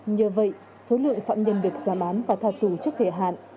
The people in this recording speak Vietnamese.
nhờ vậy số lượng phạm nhân được giam án và tha tù trước thể hạn